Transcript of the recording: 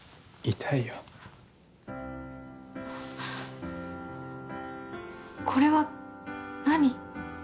痛いよあっこれは何？